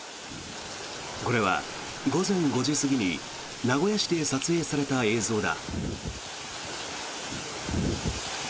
これは午前５時過ぎに名古屋市で撮影された映像だ。